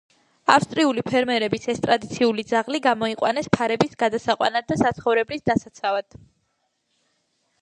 ავსტრიული ფერმერების ეს ტრადიციული ძაღლი გამოიყვანეს ფარების გადასაყვანად და საცხოვრებლის დასაცავად.